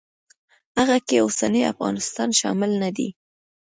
هغه کې اوسنی افغانستان شامل نه دی.